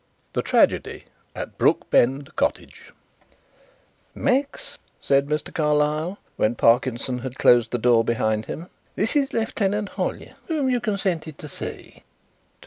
THE TRAGEDY AT BROOKBEND COTTAGE "Max," said Mr. Carlyle, when Parkinson had closed the door behind him, "this is Lieutenant Hollyer, whom you consented to see."